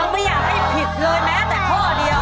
ไม่อยากให้ผิดเลยแม้แต่ข้อเดียว